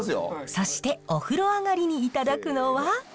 そしてお風呂上がりにいただくのは。